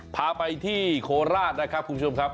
พาไปที่โคราชนะครับคุณผู้ชมครับ